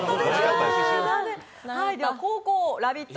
後攻、ラヴィット！